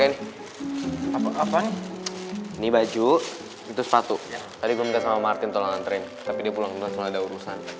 ini baju itu sepatu tadi gue minta sama martin tolong antren tapi dia pulang selalu ada urusan